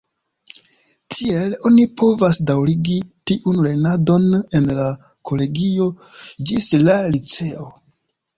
Tiel, oni povas daŭrigi tiun lernadon en la kolegio ĝis la liceo.